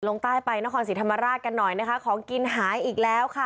ลงใต้ไปนครศรีธรรมราชกันหน่อยนะคะของกินหายอีกแล้วค่ะ